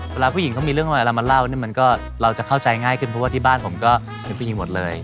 เวลาผู้หญิงเขามีเรื่องอะไรเรามาเล่าเนี่ยมันก็เราจะเข้าใจง่ายขึ้นเพราะว่าที่บ้านผมก็คือผู้หญิงหมดเลย